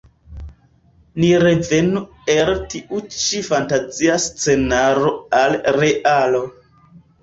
Ni revenu el tiu ĉi fantazia scenaro al realo.